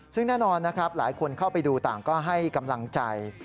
ซึ่งแน่นอนนะครับหลายคนเข้าไปดูต่างก็ให้กำลังใจ